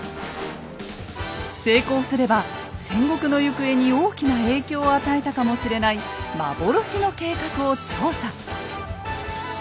成功すれば戦国の行方に大きな影響を与えたかもしれない幻の計画を調査。